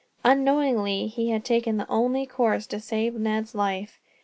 Unknowingly, he had taken the only course to save Ned's life.